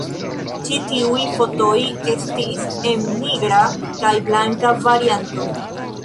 Ĉi tiuj fotoj estis en nigra kaj blanka varianto.